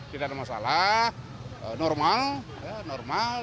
tidak ada masalah normal